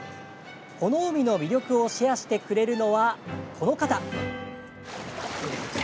この海の魅力をシェアしてくれるのは、この方。